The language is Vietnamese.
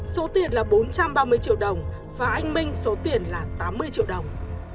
số tiền là bốn trăm ba mươi triệu đồng và anh minh số tiền là tám mươi triệu đồng